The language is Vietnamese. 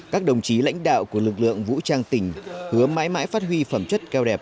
các đồng chí lãnh đạo của lực lượng vũ trang tỉnh hứa mãi mãi phát huy phẩm chất cao đẹp